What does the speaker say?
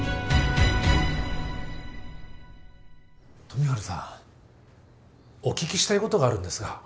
富治さんお聞きしたいことがあるんですが。